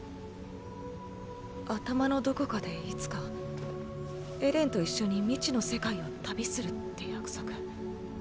頭のどこかでいつかエレンと一緒に未知の世界を旅するって約束。